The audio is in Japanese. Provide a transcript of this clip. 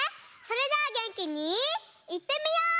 それじゃあげんきにいってみよう！